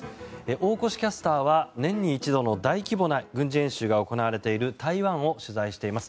大越キャスターは、年に一度の大規模な軍事演習が行われている台湾を取材しています。